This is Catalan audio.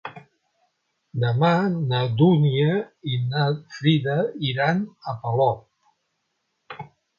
Demà na Dúnia i na Frida iran a Polop.